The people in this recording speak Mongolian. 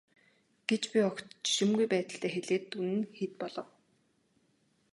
гэж би огт жишимгүй байдалтай хэлээд дүн нь хэд болов.